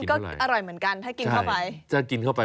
เพราะว่ามันก็อร่อยเหมือนกันถ้ากินเข้าไป